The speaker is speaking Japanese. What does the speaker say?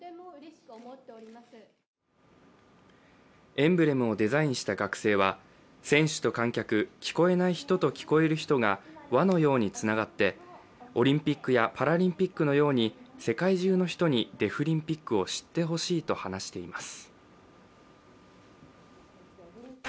エンブレムをデザインした学生は選手と観客、聞こえない人と聞こえる人が、輪のようにつながってオリンピックやパラリンピックのように世界中の人にデフリンピックを知ってほしいと話しています。